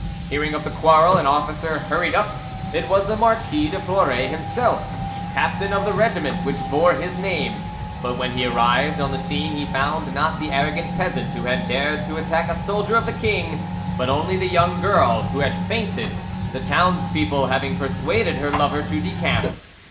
Hearing of the quarrel, an officer hurried up: it was the Marquis de Florae himself, captain of the regiment which bore his name; but when he arrived on the scene he found, not the arrogant peasant who had dared to attack a soldier of the king, but only the young girl, who had fainted, the townspeople having persuaded her lover to decamp.